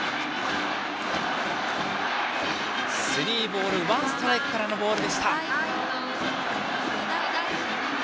スリーボールワンストライクからのボール。